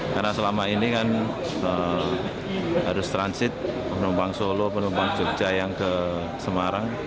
karena selama ini kan harus transit penumpang solo penumpang jogja yang ke semarang